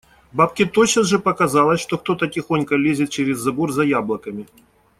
Бабке тотчас же показалось, что кто-то тихонько лезет через забор за яблоками.